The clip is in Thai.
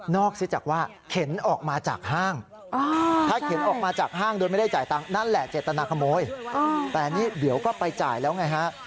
นอกซึ่งจากว่าเข็นออกมาจากห้าง